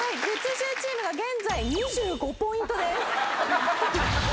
月１０チームが現在２５ポイントです。